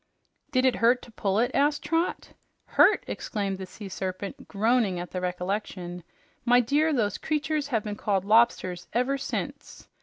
"Did it hurt to pull it?" asked Trot. "Hurt!" exclaimed the Sea Serpent, groaning at the recollection. "My dear, those creatures have been called lobsters ever since!